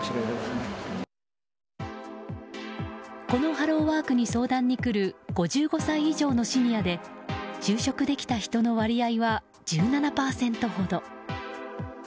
このハローワークに相談に来る５５歳以上のシニアで就職できた人の割合は１７％ほど。